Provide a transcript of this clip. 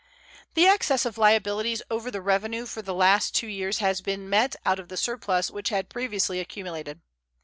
The excess of liabilities over the revenue for the last two years has been met out of the surplus which had previously accumulated.